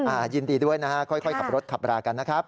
ยินดีด้วยนะฮะค่อยขับรถขับรากันนะครับ